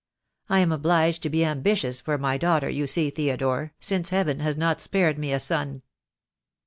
I am obliged to be ambitious for my daughter, you see, Theodore, since Heaven has not spared me a son."